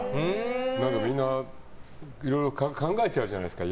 何か、みんないろいろ考えちゃうじゃないですか。